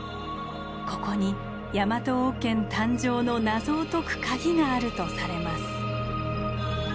ここにヤマト王権誕生の謎を解くカギがあるとされます。